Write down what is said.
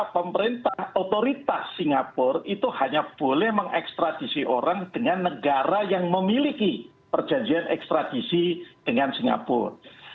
pemerintah otoritas singapura itu hanya boleh mengekstradisi orang dengan negara yang memiliki perjanjian ekstradisi dengan singapura